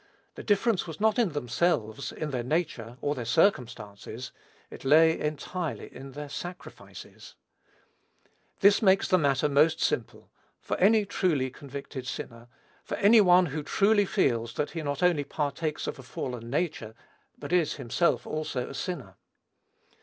The difference was not in themselves, in their nature, or their circumstances; it lay, entirely, in their sacrifices. This makes the matter most simple, for any truly convicted sinner, for any one who truly feels that he not only partakes of a fallen nature, but is himself, also, a sinner.